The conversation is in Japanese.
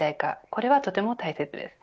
これはとても大切です。